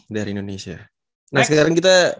dari indonesia nah sekarang kita